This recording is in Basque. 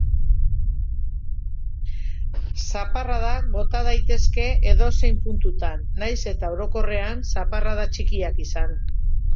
Zaparradak bota ditzake edozein puntutan, nahiz eta orokorrean zaparrada txikiak izan.